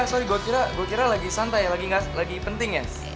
sorry gue kira lagi santai lagi penting ya